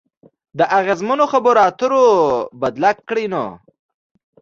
په اغیزمنو خبرو اترو بدله کړئ نو